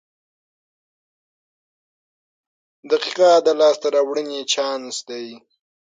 • دقیقه د لاسته راوړنې چانس دی.